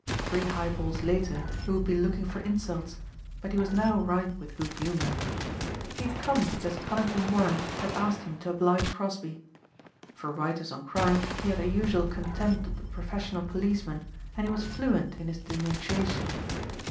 Three highballs later, he would be looking for insults but he was now ripe with good humor. He had come because Conington Warren had asked him to oblige Crosbeigh. For writers on crime he had the usual contempt of the professional policeman and he was fluent in his denunciation.